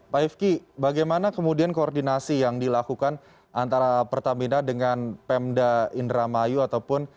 pak ifki bagaimana kemudian koordinasi yang dilakukan antara pertamina dengan pemda indramayu ataupun